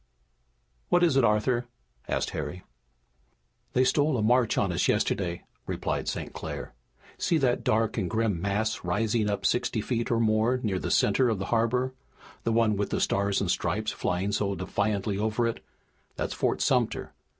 "What is it, Arthur?" asked Harry. "They stole a march on us yesterday," replied St. Clair. "See that dark and grim mass rising up sixty feet or more near the center of the harbor, the one with the Stars and Stripes flying so defiantly over it? That's Fort Sumter.